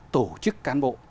tổ chức cán bộ